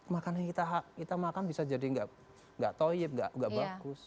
makanan kita makan bisa jadi nggak toyib gak bagus